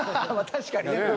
確かに。